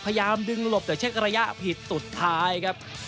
พยายามดึงหลบแต่เช็กระยะผิดสุดท้ายครับ